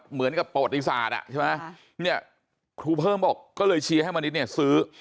เหมือนกับประวัติศาสตร์ใช่ไหมเนี่ยพูดเพิ่มบอกก็เลยเชียร์ให้มณิชย์สือ